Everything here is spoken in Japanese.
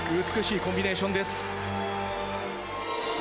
美しいコンビネーションです。